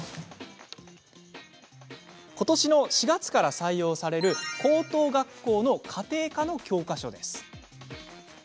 ことし４月から採用される高等学校の家庭科の教科書です。